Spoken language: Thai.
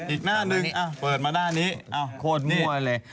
อีกหน้าหนึ่งเปิดมาหน้านี้โคตรมั่วเลย